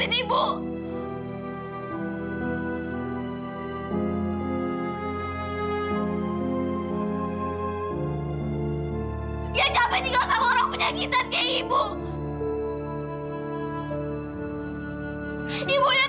gak gunsa yang keno tenonsi